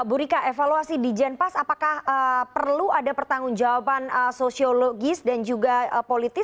bu rika evaluasi di jenpas apakah perlu ada pertanggung jawaban sosiologis dan juga politis